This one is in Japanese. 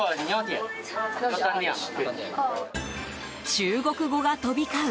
中国語が飛び交う